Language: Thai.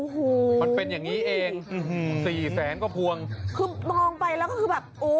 โอ้โหมันเป็นอย่างงี้เองอืมสี่แสนกว่าพวงคือมองไปแล้วก็คือแบบโอ้